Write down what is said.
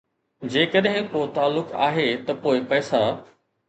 جيڪڏهن ڪو تعلق آهي، ته پوء پئسا